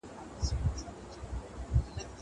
سبزېجات د مور له خوا وچول کيږي!